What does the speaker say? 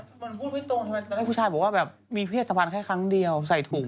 มันพูดไม่ตรงทำไมตอนนั้นผู้ชายบอกว่าแบบมีเพศสัมพันธ์แค่ครั้งเดียวใส่ถุง